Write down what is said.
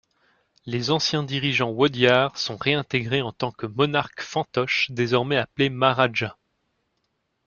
Les anciens dirigeants Wodeyar sont réintégrés en tant que monarques fantoches désormais appelés Maharaja.